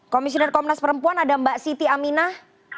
komisioner komnas perempuan ada mbak siti aminah